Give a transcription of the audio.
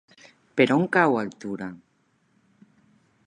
Per on cau Altura?